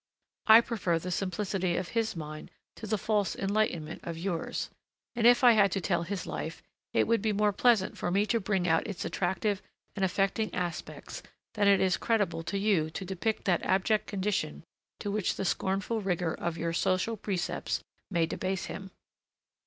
I prefer the simplicity of his mind to the false enlightenment of yours; and if I had to tell his life, it would be more pleasant for me to bring out its attractive and affecting aspects than it is creditable to you to depict the abject condition to which the scornful rigor of your social precepts may debase him.